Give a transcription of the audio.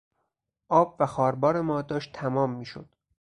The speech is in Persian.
آب و خواربار ما داشت تمام میشد.